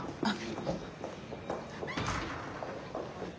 あっ。